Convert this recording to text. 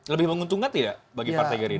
lebih menguntungkan tidak bagi partai gerindra